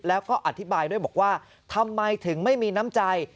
แล้วก็อธิบายด้วยบอกว่าทำไมถึงไม่มีน้ำใจ